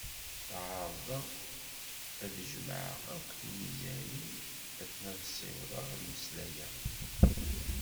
Tteɛraḍeɣ ad d-jemmɛeɣ akk tizemmar-iw akken ad ssiwḍeɣ ad d-mmeslayeɣ.